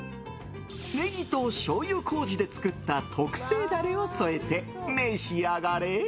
ネギとしょうゆ麹で作った特製ダレを添えて、召し上がれ！